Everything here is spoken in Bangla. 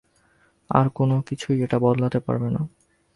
আর কোনো কিছুই এটা বদলাতে পারবে না।